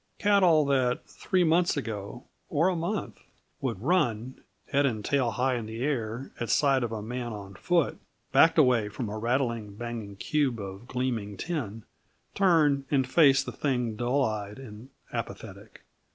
Cattle that three months ago or a month would run, head and tail high in air, at sight of a man on foot, backed away from a rattling, banging cube of gleaming tin, turned and faced the thing dull eyed and apathetic.